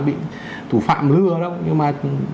bị thủ phạm lừa đâu nhưng mà